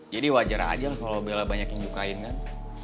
jadi wajar aja kalo bella banyak yang sukain kan